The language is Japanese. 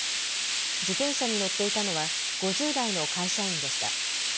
自転車に乗っていたのは５０代の会社員でした。